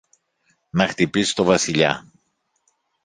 να χτυπήσει το Βασιλιά.